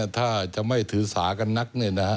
ถ้าจะไม่ถือสากันนัก